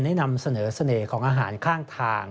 นำเสนอเสน่ห์ของอาหารข้างทาง